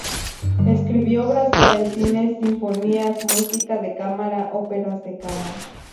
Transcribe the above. Escribió obras para el cine, sinfonías, música de cámara, óperas de cámara...